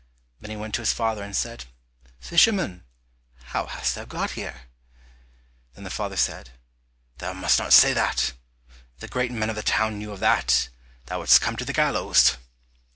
Then he went to his father and said, "Fisherman, how hast thou got here?" Then the father said, "Thou must not say that, if the great men of the town knew of that, thou wouldst come to the gallows."